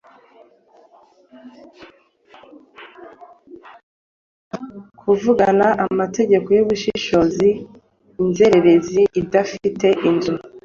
Kuvugana amategeko yubushishozi inzererezi idafite inzu,